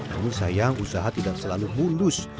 namun sayang usaha tidak selalu mulus